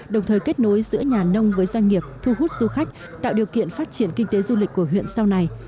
đồng thời kết nối giữa nhà nông với doanh nghiệp thu hút du khách tạo điều kiện phát triển kinh tế du lịch của huyện sau này